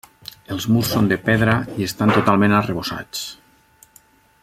Els murs són de pedra i estan totalment arrebossats.